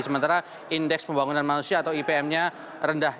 sementara indeks pembangunan manusia atau ipm nya rendah